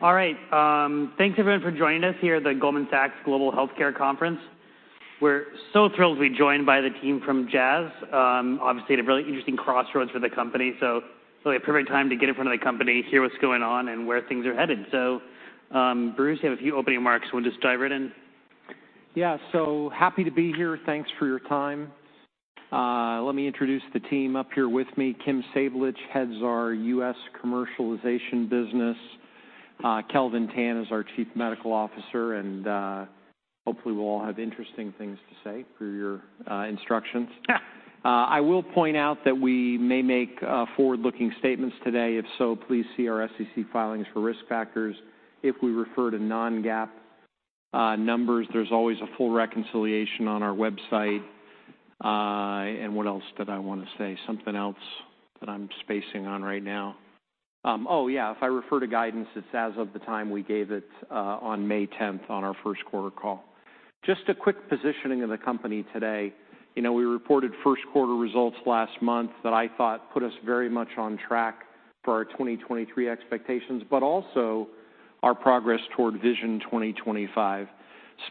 All right. Thanks everyone for joining us here at the Goldman Sachs Global Healthcare Conference. We're so thrilled to be joined by the team from Jazz. Obviously, at a really interesting crossroads for the company, it's really a perfect time to get in front of the company, hear what's going on, and where things are headed. Bruce, you have a few opening remarks. We'll just dive right in. Yeah. Happy to be here. Thanks for your time. Let me introduce the team up here with me. Kim Sablich heads our US commercialization business. Kelvin Tan is our Chief Medical Officer. Hopefully, we'll all have interesting things to say, per your instructions. I will point out that we may make forward-looking statements today. If so, please see our SEC filings for risk factors. If we refer to non-GAAP numbers, there's always a full reconciliation on our website. What else did I want to say? Something else that I'm spacing on right now. Oh, yeah, if I refer to guidance, it's as of the time we gave it on May 10, on our first quarter call. Just a quick positioning of the company today. You know, we reported first quarter results last month that I thought put us very much on track for our 2023 expectations, also our progress toward Vision 2025.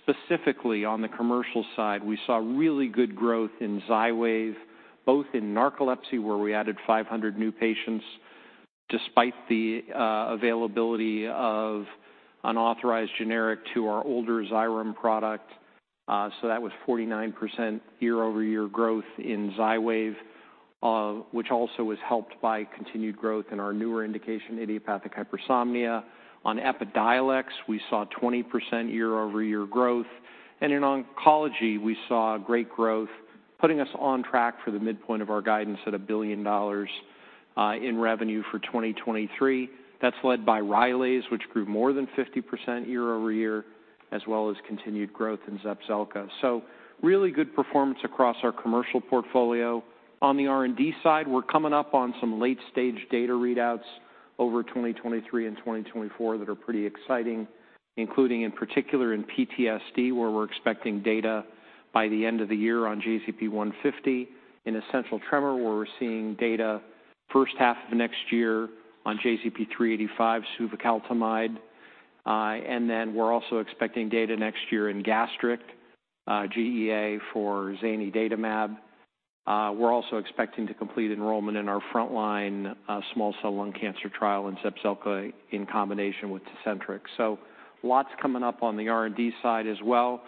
Specifically, on the commercial side, we saw really good growth in XYWAV, both in narcolepsy, where we added 500 new patients, despite the availability of unauthorized generic to our older Xyrem product. That was 49% year-over-year growth in XYWAV, which also was helped by continued growth in our newer indication, idiopathic hypersomnia. On Epidiolex, we saw 20% year-over-year growth, in oncology, we saw great growth, putting us on track for the midpoint of our guidance at $1 billion in revenue for 2023. That's led by Rylaze, which grew more than 50% year-over-year, as well as continued growth in Zepzelca. Really good performance across our commercial portfolio. On the R&D side, we're coming up on some late-stage data readouts over 2023 and 2024 that are pretty exciting, including, in particular, in PTSD, where we're expecting data by the end of the year on JZP150. In essential tremor, where we're seeing data first half of next year on JZP385, suvecaltamide. We're also expecting data next year in gastric GEA for zanidatamab. We're also expecting to complete enrollment in our frontline small cell lung cancer trial in Zepzelca in combination with Tecentriq. Lots coming up on the R&D side as well.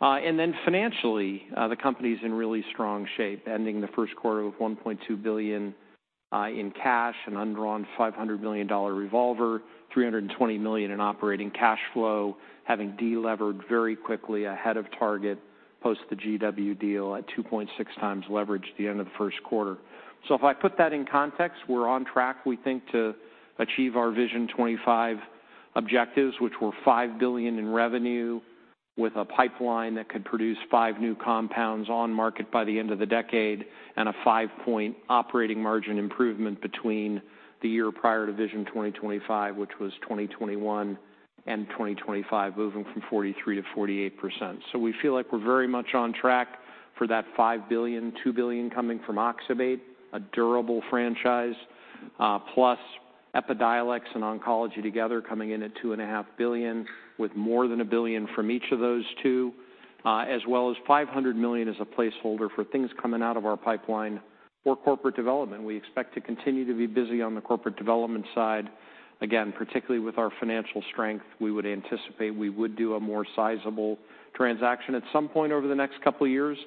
Financially, the company's in really strong shape, ending the first quarter of $1.2 billion in cash, an undrawn $500 million revolver, $320 million in operating cash flow, having delevered very quickly ahead of target, post the GW deal at 2.6x leverage at the end of the first quarter. If I put that in context, we're on track, we think, to achieve our Vision 2025 objectives, which were $5 billion in revenue, with a pipeline that could produce five new compounds on market by the end of the decade, and a five-point operating margin improvement between the year prior to Vision 2025, which was 2021 and 2025, moving from 43% to 48%. We feel like we're very much on track for that $5 billion, $2 billion coming from oxybate, a durable franchise, plus Epidiolex and Oncology together coming in at two and a half billion, with more than $1 billion from each of those two, as well as $500 million as a placeholder for things coming out of our pipeline or corporate development. We expect to continue to be busy on the corporate development side. Again, particularly with our financial strength, we would anticipate we would do a more sizable transaction at some point over the next couple of years.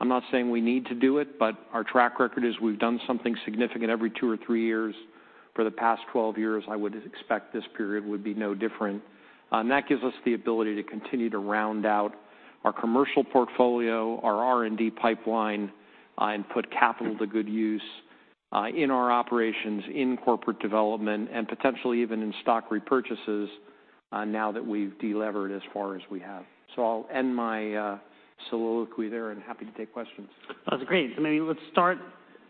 I'm not saying we need to do it, but our track record is we've done something significant every two or three years for the past 12 years. I would expect this period would be no different. That gives us the ability to continue to round out our commercial portfolio, our R&D pipeline, and put capital to good use, in our operations, in corporate development, and potentially even in stock repurchases, now that we've delevered as far as we have. I'll end my soliloquy there and happy to take questions. That's great. Maybe let's start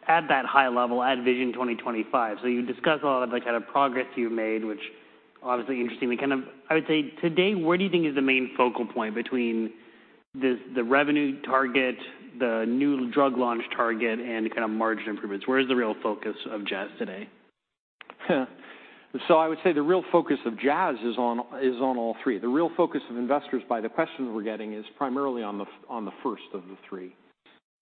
at that high level, at Vision 2025. You discussed a lot of the progress you've made, which obviously interestingly, I would say today, where do you think is the main focal point between the revenue target, the new drug launch target, and kind of margin improvements? Where is the real focus of Jazz today? I would say the real focus of Jazz is on all three. The real focus of investors, by the questions we're getting, is primarily on the first of the three.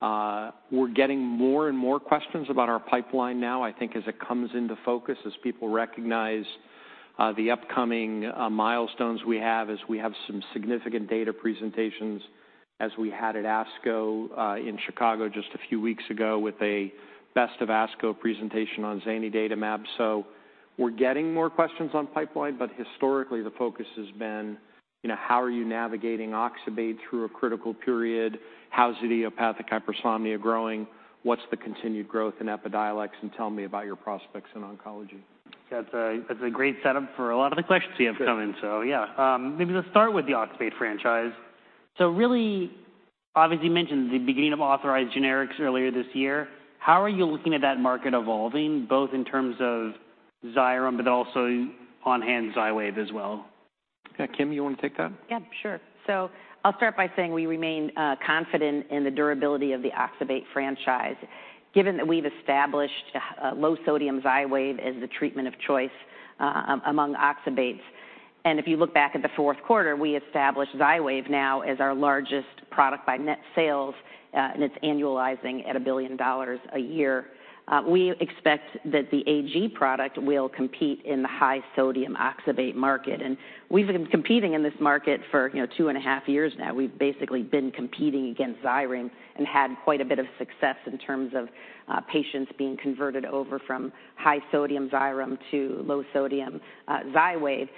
We're getting more and more questions about our pipeline now, I think as it comes into focus, as people recognize the upcoming milestones we have, as we have some significant data presentations as we had at ASCO in Chicago just a few weeks ago, with a best of ASCO presentation on zanidatamab. We're getting more questions on pipeline, but historically, the focus has been, you know, how are you navigating oxybate through a critical period? How's the idiopathic hypersomnia growing? What's the continued growth in Epidiolex? Tell me about your prospects in oncology. That's a great setup for a lot of the questions we have coming. Good. Yeah, maybe let's start with the oxybate franchise. Really, obviously, you mentioned the beginning of authorized generics earlier this year. How are you looking at that market evolving, both in terms of Xyrem, but also on-hand XYWAV as well? Yeah, Kim, you want to take that? Yeah, sure. I'll start by saying we remain confident in the durability of the oxybate franchise, given that we've established low sodium XYWAV as the treatment of choice among oxybates. If you look back at the fourth quarter, we established XYWAV now as our largest product by net sales, and it's annualizing at $1 billion a year. We expect that the AG product will compete in the high sodium oxybate market, and we've been competing in this market for, you know, 2.5 years now. We've basically been competing against Xyrem and had quite a bit of success in terms of patients being converted over from high sodium Xyrem to low sodium XYWAV.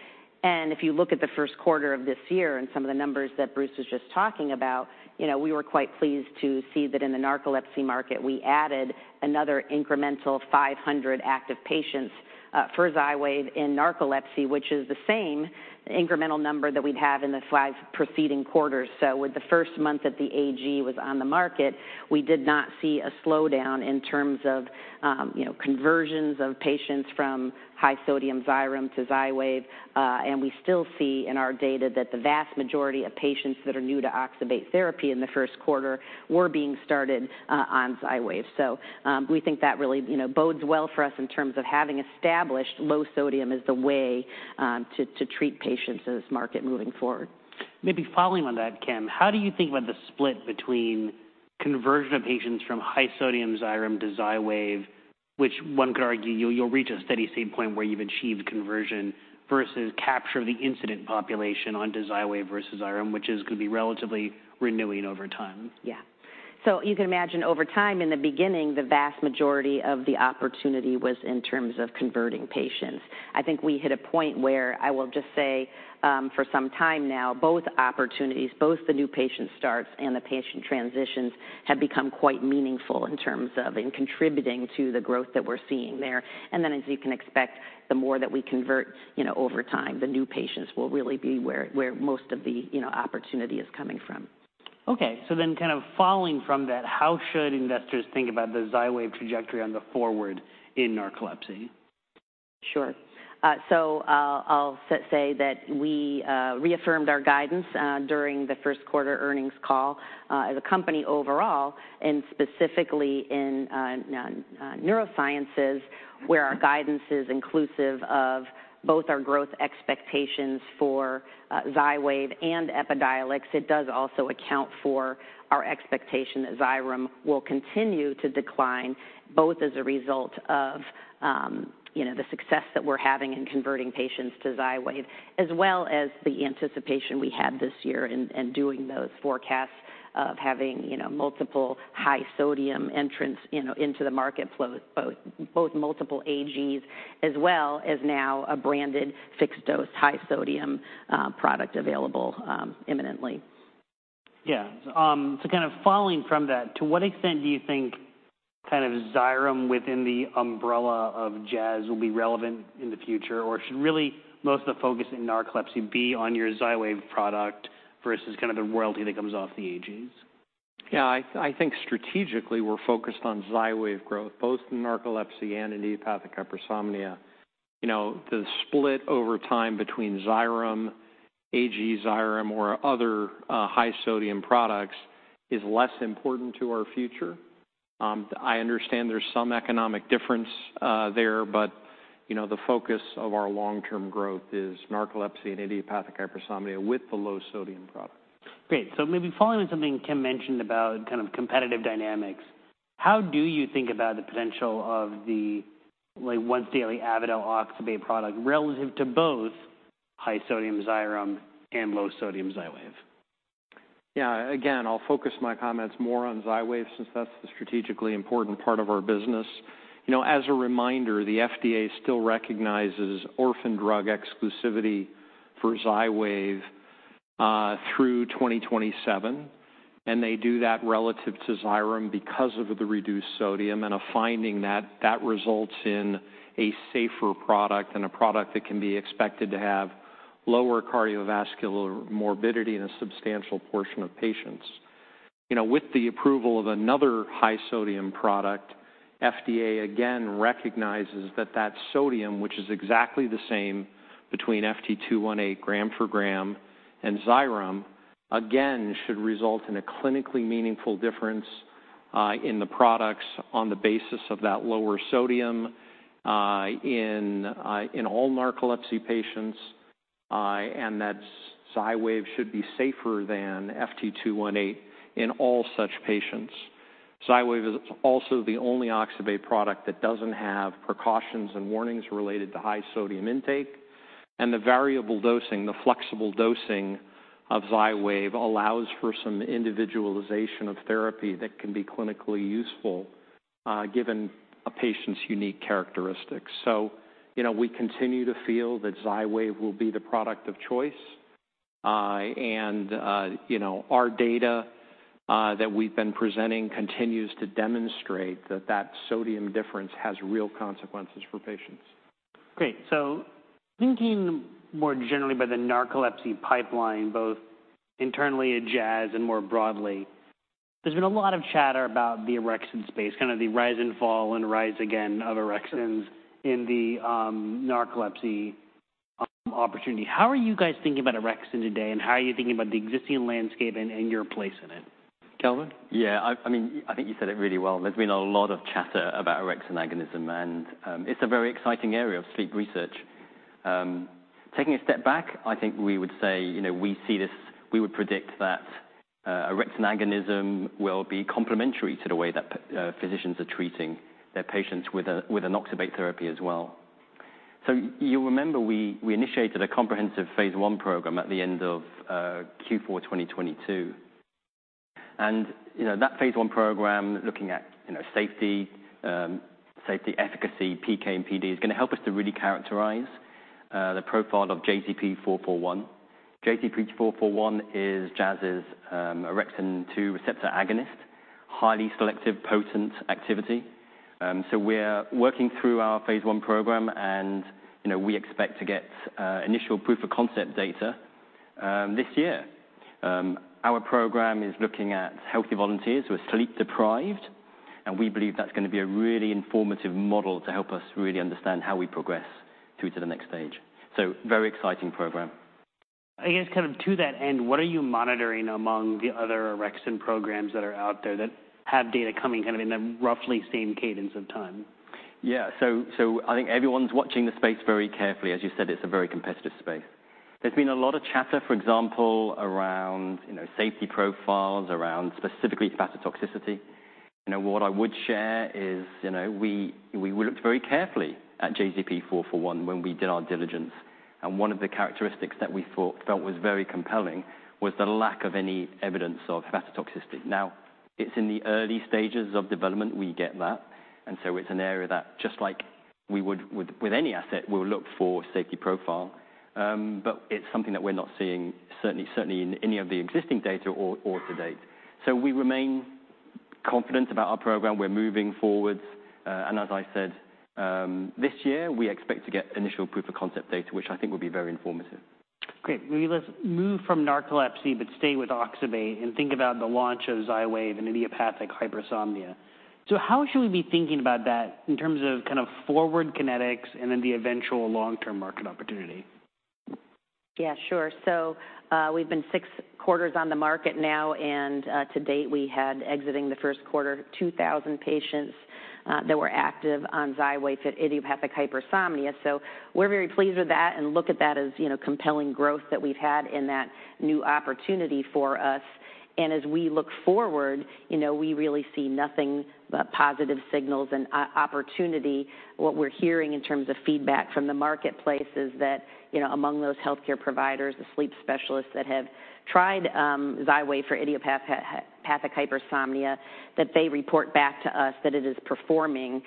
If you look at the first quarter of this year and some of the numbers that Bruce was just talking about, you know, we were quite pleased to see that in the narcolepsy market, we added another incremental 500 active patients for XYWAV in narcolepsy, which is the same incremental number that we'd have in the 5 preceding quarters. With the first month that the AG was on the market, we did not see a slowdown in terms of, you know, conversions of patients from high sodium Xyrem to XYWAV. We still see in our data that the vast majority of patients that are new to oxybate therapy in the first quarter were being started on XYWAV. We think that really, you know, bodes well for us in terms of having established low sodium as the way to treat patients in this market moving forward. Maybe following on that, Kim, how do you think about the split between conversion of patients from high sodium Xyrem to XYWAV, which one could argue you'll reach a steady state point where you've achieved conversion, versus capture of the incident population onto XYWAV versus Xyrem, which is going to be relatively renewing over time? Yeah. you can imagine over time, in the beginning, the vast majority of the opportunity was in terms of converting patients. I think we hit a point where I will just say, for some time now, both opportunities, both the new patient starts and the patient transitions, have become quite meaningful in terms of and contributing to the growth that we're seeing there. as you can expect, the more that we convert, you know, over time, the new patients will really be where most of the, you know, opportunity is coming from. Okay, kind of following from that, how should investors think about the XYWAV trajectory on the forward in narcolepsy? I'll say that we reaffirmed our guidance during the first quarter earnings call as a company overall and specifically in neurosciences, where our guidance is inclusive of both our growth expectations for XYWAV and Epidiolex. It does also account for our expectation that Xyrem will continue to decline, both as a result of, you know, the success that we're having in converting patients to XYWAV, as well as the anticipation we had this year in doing those forecasts of having, you know, multiple high sodium entrants, you know, into the market with both multiple AGs as well as now a branded fixed-dose, high sodium product available imminently. Yeah. kind of following from that, to what extent do you think kind of Xyrem within the umbrella of Jazz will be relevant in the future? Should really most of the focus in narcolepsy be on your XYWAV product versus kind of the royalty that comes off the AGs? Yeah, I think strategically we're focused on XYWAV growth, both in narcolepsy and in idiopathic hypersomnia. You know, the split over time between Xyrem, AG Xyrem, or other high sodium products is less important to our future. I understand there's some economic difference there, but, you know, the focus of our long-term growth is narcolepsy and idiopathic hypersomnia with the low sodium product. Great. Maybe following on something Kim mentioned about kind of competitive dynamics, how do you think about the potential of the like, once-daily Avadel oxybate product relative to both high sodium Xyrem and low sodium XYWAV? Yeah, again, I'll focus my comments more on XYWAV, since that's the strategically important part of our business. You know, as a reminder, the FDA still recognizes orphan drug exclusivity for XYWAV through 2027, and they do that relative to Xyrem because of the reduced sodium and are finding that that results in a safer product and a product that can be expected to have lower cardiovascular morbidity in a substantial portion of patients. You know, with the approval of another high sodium product, FDA again recognizes that that sodium, which is exactly the same between FT-218 gram for gram and Xyrem, again should result in a clinically meaningful difference in the products on the basis of that lower sodium in all narcolepsy patients, and that XYWAV should be safer than FT-218 in all such patients. XYWAV is also the only oxybate product that doesn't have precautions and warnings related to high sodium intake, and the variable dosing, the flexible dosing of XYWAV allows for some individualization of therapy that can be clinically useful, given a patient's unique characteristics. You know, we continue to feel that XYWAV will be the product of choice. You know, our data that we've been presenting continues to demonstrate that that sodium difference has real consequences for patients. Great. Thinking more generally about the narcolepsy pipeline, both internally at Jazz. There's been a lot of chatter about the orexin space, kind of the rise and fall and rise again of orexins in the narcolepsy opportunity. How are you guys thinking about orexin today, and how are you thinking about the existing landscape and your place in it? Kelvin? I mean, I think you said it really well. There's been a lot of chatter about orexin agonism, and it's a very exciting area of sleep research. Taking a step back, I think we would say, you know, we would predict that orexin agonism will be complementary to the way that physicians are treating their patients with an oxybate therapy as well. You remember we initiated a comprehensive phase I program at the end of Q4, 2022. You know, that phase I program, looking at, you know, safety efficacy, PK and PD, is going to help us to really characterize the profile of JZP441. JZP441 is Jazz's orexin 2 receptor agonist, highly selective potent activity. We're working through our phase I program and, you know, we expect to get initial proof of concept data this year. Our program is looking at healthy volunteers who are sleep deprived, and we believe that's going to be a really informative model to help us really understand how we progress through to the next stage. Very exciting program. I guess kind of to that end, what are you monitoring among the other orexin programs that are out there that have data coming kind of in the roughly same cadence of time? Yeah. I think everyone's watching the space very carefully. As you said, it's a very competitive space. There's been a lot of chatter, for example, around, you know, safety profiles, around specifically hepatotoxicity. You know, what I would share is, you know, we looked very carefully at JZP441 when we did our diligence, and one of the characteristics that we felt was very compelling was the lack of any evidence of hepatotoxicity. Now, it's in the early stages of development, we get that, and so it's an area that, just like we would with any asset, we'll look for safety profile. It's something that we're not seeing, certainly in any of the existing data or to date. We remain confident about our program. We're moving forward, and as I said, this year, we expect to get initial proof of concept data, which I think will be very informative. Great. Maybe let's move from narcolepsy, but stay with oxybate and think about the launch of XYWAV and idiopathic hypersomnia. How should we be thinking about that in terms of kind of forward kinetics and then the eventual long-term market opportunity? Yeah, sure. We've been 6 quarters on the market now, and to date, we had, exiting the first quarter, 2,000 patients that were active on XYWAV at idiopathic hypersomnia. We're very pleased with that and look at that as, you know, compelling growth that we've had in that new opportunity for us. As we look forward, you know, we really see nothing but positive signals and opportunity. What we're hearing in terms of feedback from the marketplace is that, you know, among those healthcare providers, the sleep specialists that have tried XYWAV for idiopathic hypersomnia, that they report back to us that it is performing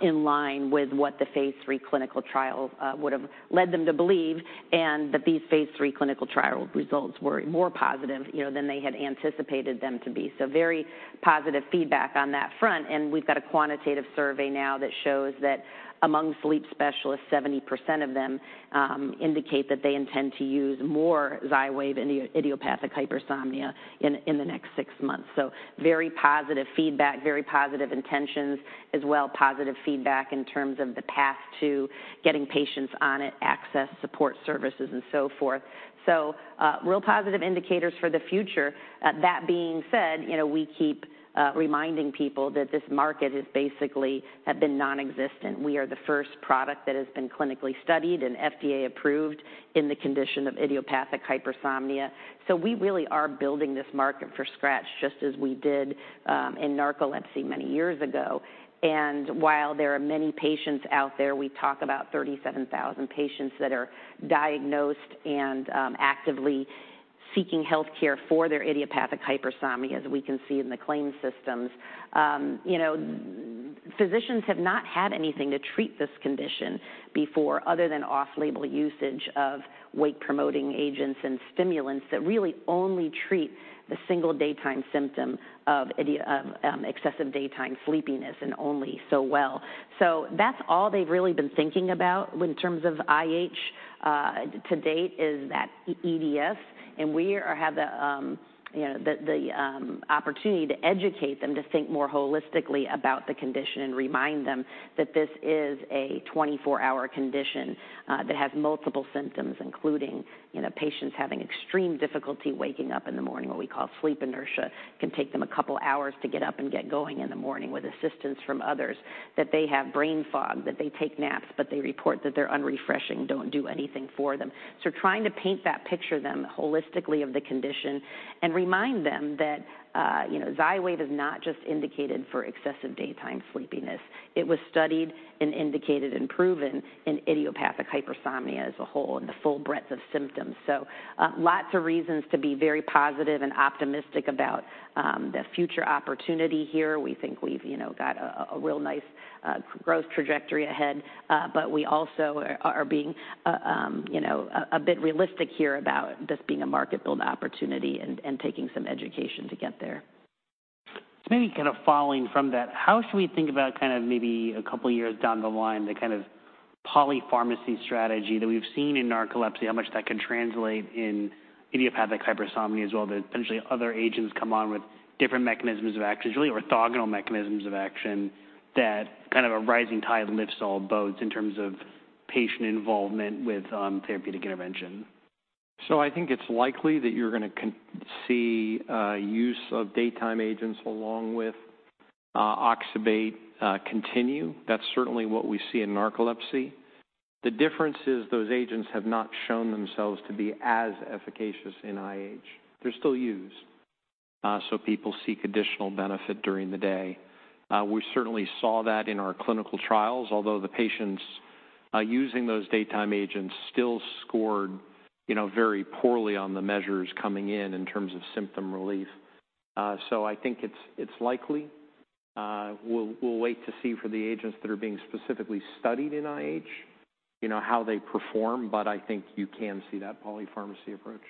in line with what the phase III clinical trial would have led them to believe, and that these phase III clinical trial results were more positive, you know, than they had anticipated them to be. Very positive feedback on that front, and we've got a quantitative survey now that shows that among sleep specialists, 70% of them indicate that they intend to use more XYWAV in the idiopathic hypersomnia in the next six months. Very positive feedback, very positive intentions as well, positive feedback in terms of the path to getting patients on it, access, support services, and so forth. Real positive indicators for the future. That being said, you know, we keep reminding people that this market is basically, have been non-existent. We are the first product that has been clinically studied and FDA approved in the condition of idiopathic hypersomnia. We really are building this market from scratch, just as we did in narcolepsy many years ago. While there are many patients out there, we talk about 37,000 patients that are diagnosed and actively seeking healthcare for their idiopathic hypersomnia, as we can see in the claims systems. You know, physicians have not had anything to treat this condition before other than off-label usage of wake-promoting agents and stimulants that really only treat the single daytime symptom of excessive daytime sleepiness and only so well. That's all they've really been thinking about in terms of IH to date, is that EDS, and we are have the, you know, the opportunity to educate them to think more holistically about the condition and remind them that this is a 24-hour condition that has multiple symptoms, including, you know, patients having extreme difficulty waking up in the morning, what we call sleep inertia. It can take them a couple of hours to get up and get going in the morning with assistance from others, that they have brain fog, that they take naps, but they report that they're unrefreshing, don't do anything for them. Trying to paint that picture then holistically of the condition and remind them that, you know, XYWAV is not just indicated for excessive daytime sleepiness. It was studied and indicated and proven in idiopathic hypersomnia as a whole and the full breadth of symptoms. Lots of reasons to be very positive and optimistic about the future opportunity here. We think we've, you know, got a real nice growth trajectory ahead, but we also are being, you know, a bit realistic here about this being a market-building opportunity and taking some education to get there. Maybe kind of following from that, how should we think about kind of maybe a couple of years down the line, polypharmacy strategy that we've seen in narcolepsy, how much that can translate in idiopathic hypersomnia as well, that potentially other agents come on with different mechanisms of action, really orthogonal mechanisms of action, that kind of a rising tide lifts all boats in terms of patient involvement with therapeutic intervention? I think it's likely that you're going to see use of daytime agents along with oxybate continue. That's certainly what we see in narcolepsy. The difference is those agents have not shown themselves to be as efficacious in IH. They're still used, so people seek additional benefit during the day. We certainly saw that in our clinical trials, although the patients using those daytime agents still scored, you know, very poorly on the measures coming in terms of symptom relief. I think it's likely. We'll, we'll wait to see for the agents that are being specifically studied in IH, you know, how they perform, but I think you can see that polypharmacy approach.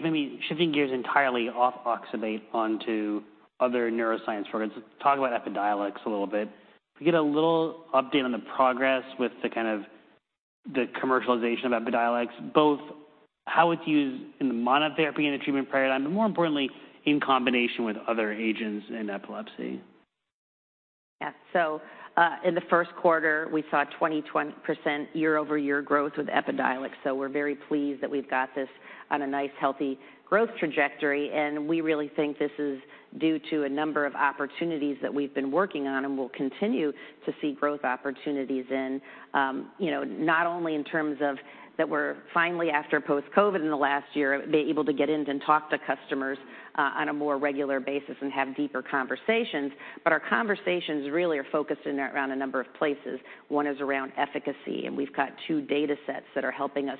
Maybe shifting gears entirely off oxybate onto other neuroscience products. Let's talk about Epidiolex a little bit. Can we get a little update on the progress with the kind of the commercialization of Epidiolex, both how it's used in the monotherapy and the treatment paradigm, more importantly, in combination with other agents in epilepsy? In the first quarter, we saw 20% year-over-year growth with Epidiolex. We're very pleased that we've got this on a nice, healthy growth trajectory, and we really think this is due to a number of opportunities that we've been working on and will continue to see growth opportunities in. You know, not only in terms of that we're finally, after post-COVID in the last year, be able to get in and talk to customers, on a more regular basis and have deeper conversations, but our conversations really are focused in around a number of places. One is around efficacy, and we've got 2 data sets that are helping us,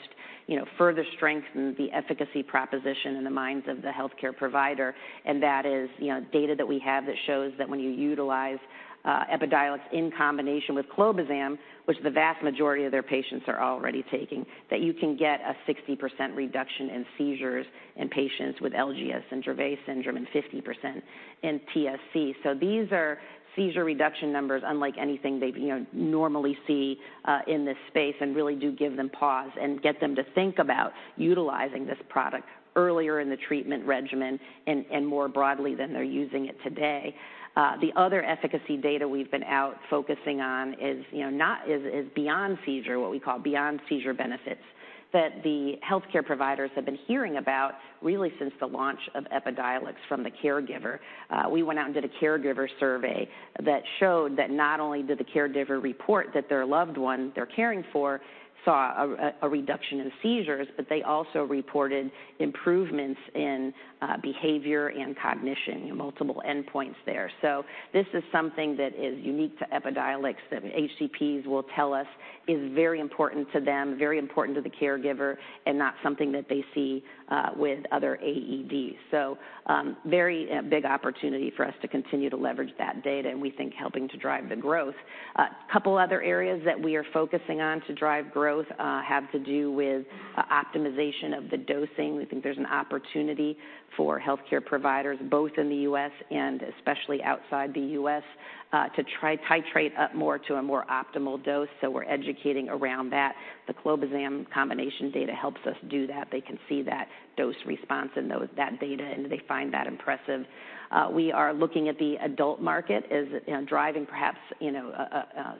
you know, further strengthen the efficacy proposition in the minds of the healthcare provider. That is, you know, data that we have that shows that when you utilize Epidiolex in combination with clobazam, which the vast majority of their patients are already taking, that you can get a 60% reduction in seizures in patients with LGS and Dravet syndrome, and 50% in TSC. These are seizure reduction numbers unlike anything they've, you know, normally see in this space and really do give them pause and get them to think about utilizing this product earlier in the treatment regimen and more broadly than they're using it today. The other efficacy data we've been out focusing on is, you know, beyond seizure, what we call beyond seizure benefits, that the healthcare providers have been hearing about really since the launch of Epidiolex from the caregiver. We went out and did a caregiver survey that showed that not only did the caregiver report that their loved one they're caring for saw a reduction in seizures, but they also reported improvements in behavior and cognition, multiple endpoints there. This is something that is unique to Epidiolex, that HCPs will tell us is very important to them, very important to the caregiver, and not something that they see with other AEDs. Very big opportunity for us to continue to leverage that data, and we think helping to drive the growth. A couple other areas that we are focusing on to drive growth have to do with optimization of the dosing. We think there's an opportunity for healthcare providers, both in the U.S. and especially outside the U.S., to try titrate up more to a more optimal dose. We're educating around that. The clobazam combination data helps us do that. They can see that dose response and that data, and they find that impressive. We are looking at the adult market as, you know, driving perhaps, you know,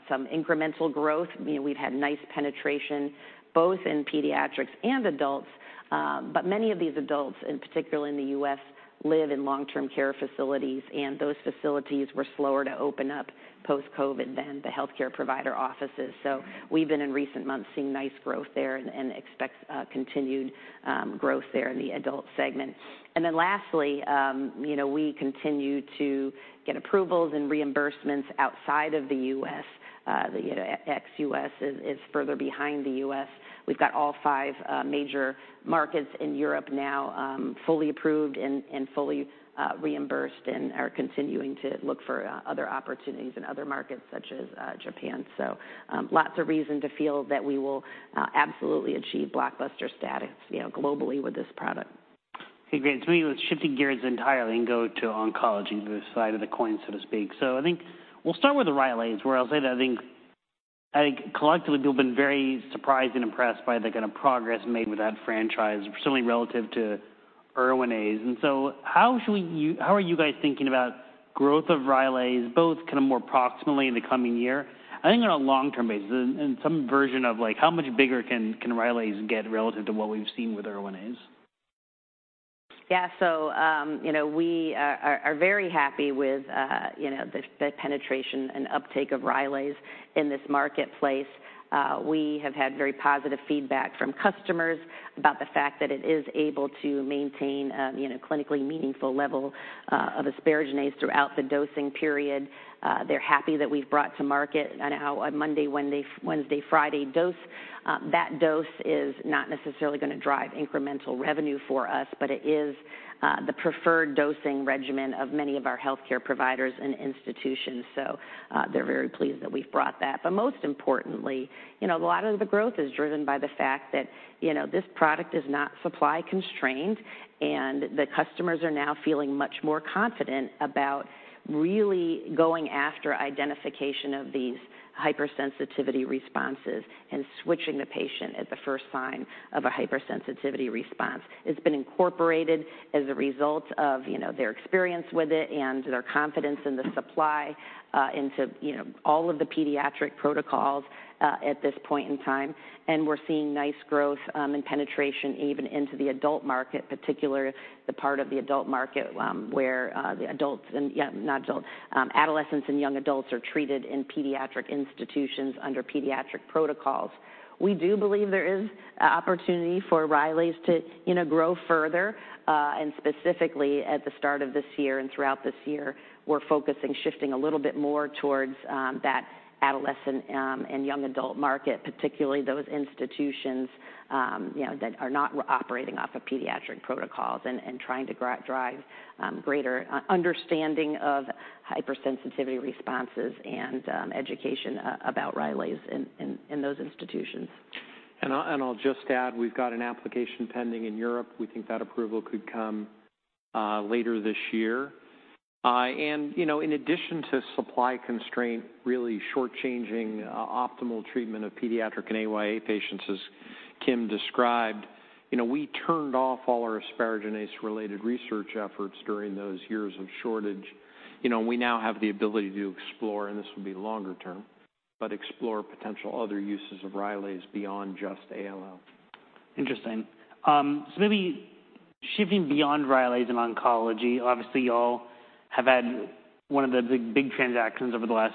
some incremental growth. You know, we've had nice penetration both in pediatrics and adults, but many of these adults, and particularly in the U.S., live in long-term care facilities, and those facilities were slower to open up post-COVID than the healthcare provider offices. We've been, in recent months, seeing nice growth there and expect continued growth there in the adult segment. Lastly, you know, we continue to get approvals and reimbursements outside of the US. You know, ex-US is further behind the US. We've got all five major markets in Europe now, fully approved and fully reimbursed and are continuing to look for other opportunities in other markets, such as Japan. Lots of reason to feel that we will absolutely achieve blockbuster status, you know, globally with this product. Okay, great. Maybe let's shifting gears entirely and go to oncology, the other side of the coin, so to speak. I think we'll start with the Rylaze, where I'll say that I think collectively, we've been very surprised and impressed by the kind of progress made with that franchise, certainly relative to Erwinase. How should we how are you guys thinking about growth of Rylaze, both kind of more proximally in the coming year, I think on a long-term basis, and some version of like, how much bigger can Rylaze get relative to what we've seen with Erwinase? Yeah, you know, we are very happy with, you know, the penetration and uptake of Rylaze in this marketplace. We have had very positive feedback from customers about the fact that it is able to maintain, you know, clinically meaningful level of Asparaginase throughout the dosing period. They're happy that we've brought to market on how a Monday, Wednesday, Friday dose. That dose is not necessarily gonna drive incremental revenue for us, but it is the preferred dosing regimen of many of our healthcare providers and institutions. They're very pleased that we've brought that. Most importantly, you know, a lot of the growth is driven by the fact that, you know, this product is not supply constrained, and the customers are now feeling much more confident about really going after identification of these hypersensitivity responses and switching the patient at the first sign of a hypersensitivity response. It's been incorporated as a result of, you know, their experience with it and their confidence in the supply, into, you know, all of the pediatric protocols, at this point in time. We're seeing nice growth, and penetration even into the adult market, particularly the part of the adult market where adolescents and young adults are treated in pediatric institutions under pediatric protocols. We do believe there is a opportunity for Rylaze to, you know, grow further. Specifically at the start of this year and throughout this year, we're focusing shifting a little bit more towards that adolescent and young adult market, particularly those institutions, you know, that are not operating off of pediatric protocols and trying to drive greater understanding of hypersensitivity responses and education about Rylaze in those institutions. I'll just add, we've got an application pending in Europe. We think that approval could come later this year. In addition to supply constraint, really short-changing optimal treatment of pediatric and AYA patients, as Kim described, you know, we turned off all our asparaginase-related research efforts during those years of shortage. You know, we now have the ability to explore, and this will be longer term, but explore potential other uses of Rylaze beyond just ALL. Interesting. Maybe shifting beyond Rylaze and oncology, obviously, y'all have had one of the big, big transactions over the last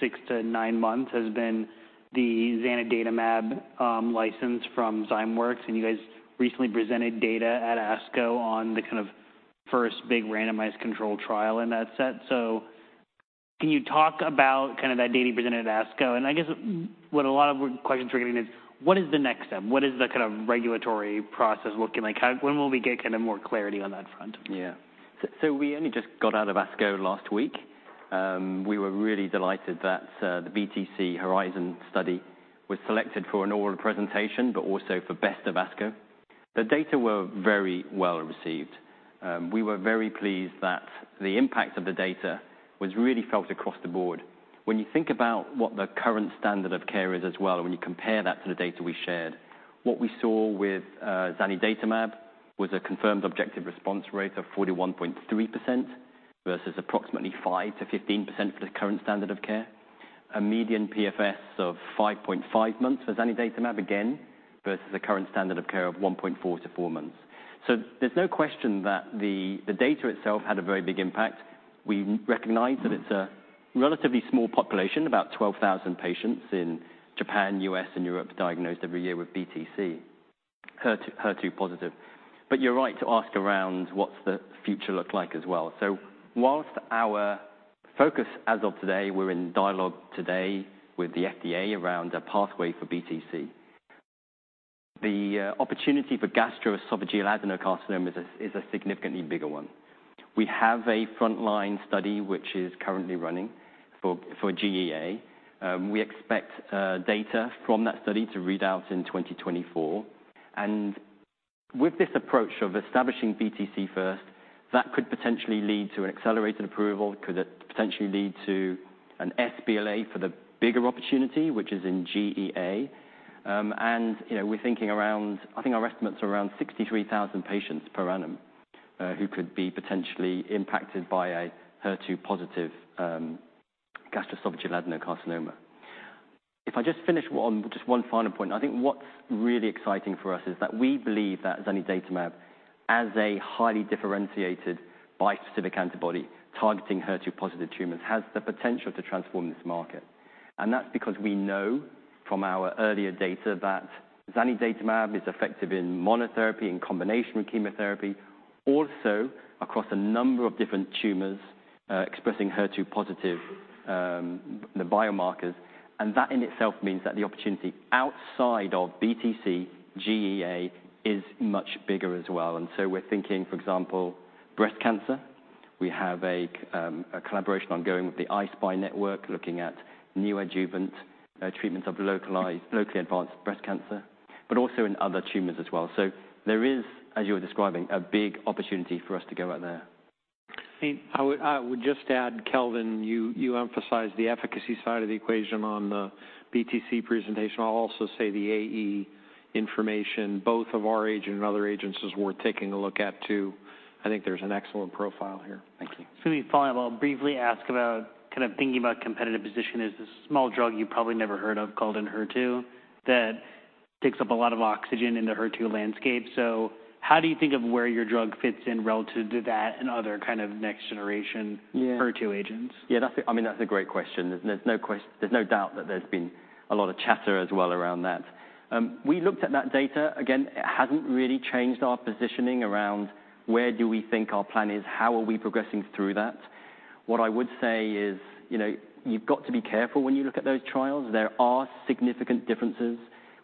6 to 9 months has been the zanidatamab license from Zymeworks, and you guys recently presented data at ASCO on the kind of first big randomized control trial in that set. Can you talk about kind of that data presented at ASCO? I guess what a lot of questions we're getting is: What is the next step? What is the kind of regulatory process looking like? When will we get kind of more clarity on that front? We only just got out of ASCO last week. We were really delighted that the BTC-HERIZON study was selected for an oral presentation, but also for Best of ASCO. The data were very well received. We were very pleased that the impact of the data was really felt across the board. When you think about what the current standard of care is as well, when you compare that to the data we shared, what we saw with zanidatamab was a confirmed objective response rate of 41.3% versus approximately 5%-15% for the current standard of care. A median PFS of 5.5 months for zanidatamab, again, versus the current standard of care of 1.4-4 months. There's no question that the data itself had a very big impact. We recognize that it's a relatively small population, about 12,000 patients in Japan, U.S., and Europe diagnosed every year with BTC, HER2 positive. You're right to ask around what's the future look like as well. Whilst our focus as of today, we're in dialogue today with the FDA around a pathway for BTC. The opportunity for gastroesophageal adenocarcinoma is a significantly bigger one. We have a frontline study which is currently running for GEA. We expect data from that study to read out in 2024. With this approach of establishing BTC first, that could potentially lead to an accelerated approval, could potentially lead to an sBLA for the bigger opportunity, which is in GEA. You know, we're thinking around... I think our estimates are around 63,000 patients per annum who could be potentially impacted by a HER2-positive gastroesophageal adenocarcinoma. If I just finish one, just one final point. I think what's really exciting for us is that we believe that zanidatamab, as a highly differentiated bispecific antibody targeting HER2-positive tumors, has the potential to transform this market. That's because we know from our earlier data that zanidatamab is effective in monotherapy, in combination with chemotherapy, also across a number of different tumors expressing HER2-positive the biomarkers. That in itself means that the opportunity outside of BTC GEA is much bigger as well. We're thinking, for example, breast cancer. We have a collaboration ongoing with the I-SPY network, looking at neoadjuvant treatments of localized, locally advanced breast cancer, but also in other tumors as well. There is, as you were describing, a big opportunity for us to go out there. I think I would just add, Kelvin, you emphasized the efficacy side of the equation on the BTC presentation. I'll also say the AE information, both of our agent and other agents, is worth taking a look at, too. I think there's an excellent profile here. Thank you. Let me follow up. I'll briefly ask about kind of thinking about competitive position. There's a small drug you probably never heard of called Enhertu, that takes up a lot of oxygen in the HER2 landscape. How do you think of where your drug fits in relative to that and other kind of next generation- Yeah. HER2 agents? Yeah, that's a, I mean, that's a great question. There's no doubt that there's been a lot of chatter as well around that. We looked at that data. Again, it hasn't really changed our positioning around where do we think our plan is, how are we progressing through that? What I would say is, you know, you've got to be careful when you look at those trials. There are significant differences.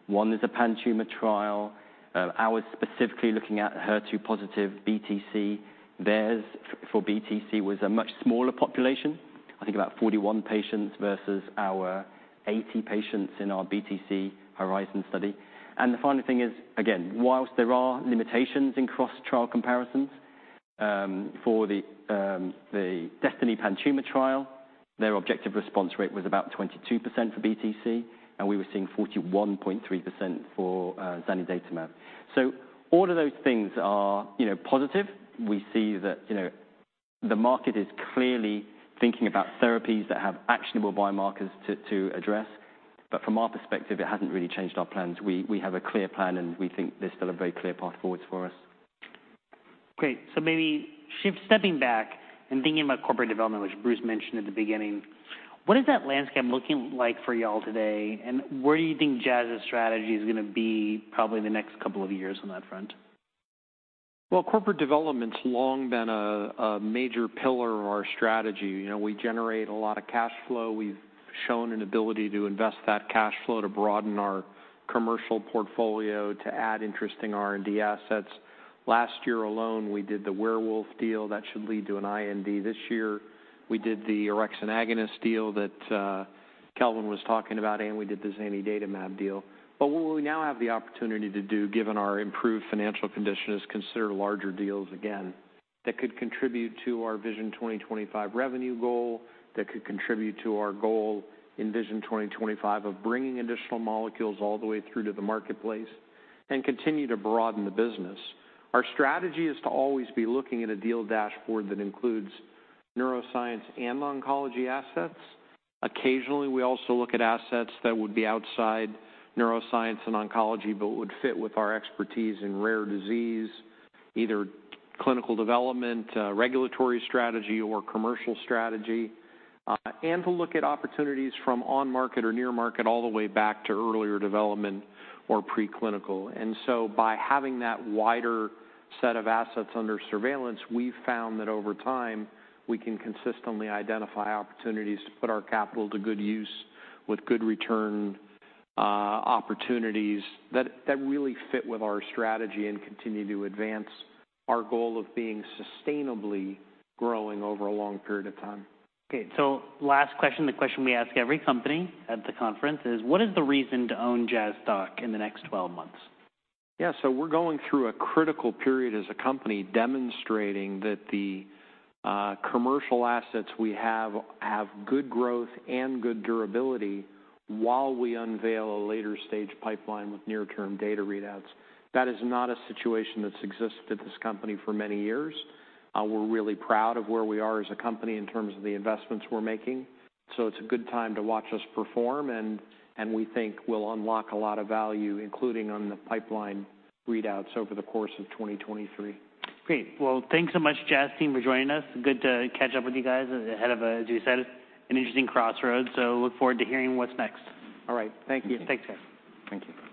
One is a pan-tumor trial. Ours is specifically looking at HER2 positive BTC. Theirs for BTC was a much smaller population, I think about 41 patients versus our 80 patients in our BTC-HERIZON study. The final thing is, again, whilst there are limitations in cross-trial comparisons, for the DESTINY-PanTumor02 trial, their objective response rate was about 22% for BTC, and we were seeing 41.3% for zanidatamab. All of those things are, you know, positive. We see that, you know, the market is clearly thinking about therapies that have actionable biomarkers to address, but from our perspective, it hasn't really changed our plans. We, we have a clear plan, and we think there's still a very clear path forwards for us. Great. Maybe stepping back and thinking about corporate development, which Bruce mentioned at the beginning, what is that landscape looking like for y'all today, and where do you think Jazz's strategy is gonna be probably the next couple of years on that front? Well, corporate development's long been a major pillar of our strategy. You know, we generate a lot of cash flow. We've shown an ability to invest that cash flow to broaden our commercial portfolio to add interesting R&D assets. Last year alone, we did the Werewolf deal. That should lead to an IND this year. We did the orexin agonist deal that Kelvin was talking about, and we did the zanidatamab deal. What we now have the opportunity to do, given our improved financial condition, is consider larger deals again, that could contribute to our Vision 2025 revenue goal, that could contribute to our goal in Vision 2025 of bringing additional molecules all the way through to the marketplace and continue to broaden the business. Our strategy is to always be looking at a deal dashboard that includes neuroscience and oncology assets. Occasionally, we also look at assets that would be outside neuroscience and oncology, but would fit with our expertise in rare disease, either clinical development, regulatory strategy or commercial strategy, and to look at opportunities from on-market or near-market all the way back to earlier development or preclinical. By having that wider set of assets under surveillance, we've found that over time, we can consistently identify opportunities to put our capital to good use with good return, opportunities that really fit with our strategy and continue to advance our goal of being sustainably growing over a long period of time. Okay, last question. The question we ask every company at the conference is: What is the reason to own Jazz stock in the next 12 months? Yeah, we're going through a critical period as a company, demonstrating that the commercial assets we have good growth and good durability while we unveil a later-stage pipeline with near-term data readouts. That is not a situation that's existed at this company for many years. We're really proud of where we are as a company in terms of the investments we're making. It's a good time to watch us perform, and we think we'll unlock a lot of value, including on the pipeline readouts over the course of 2023. Great. Well, thanks so much, Jazz team, for joining us. Good to catch up with you guys ahead of, as you said, an interesting crossroads. Look forward to hearing what's next. All right. Thank you. Thanks, guys. Thank you.